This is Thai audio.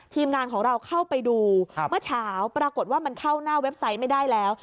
ทีมงานของเราเข้าไปดูเมื่อเช้าปรากฏว่ามันเข้าหน้าเว็บไซต์ไม่ได้แล้ว